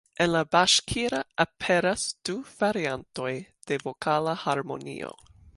En la Baŝkira aperas du variantoj de vokala harmonio.